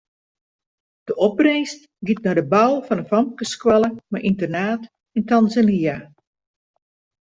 De opbringst giet nei de bou fan in famkesskoalle mei ynternaat yn Tanzania.